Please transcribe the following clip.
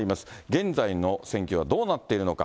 現在の戦況はどうなっているのか。